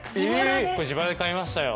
これ自腹で買いましたよ。